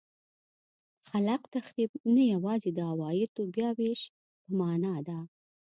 خلاق تخریب نه یوازې د عوایدو بیا وېش په معنا ده.